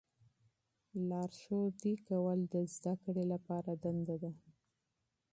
راهنمایي کول د زده کړې لپاره دنده ده.